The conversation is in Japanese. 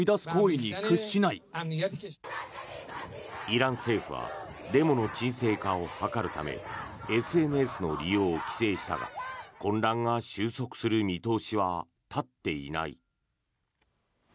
イラン政府はデモの鎮静化を図るためＳＮＳの利用を規制したが混乱が収束する見通しは立っていない。